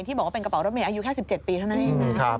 บอกว่าเป็นกระเป๋ารถเมย์อายุแค่๑๗ปีเท่านั้นเองนะ